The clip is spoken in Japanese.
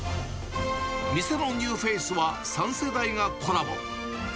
店のニューフェイスは３世代がコラボ。